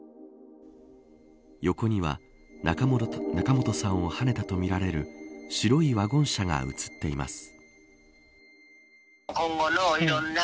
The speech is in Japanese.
横には、仲本さんをはねたとみられる白いワゴン車が映っています。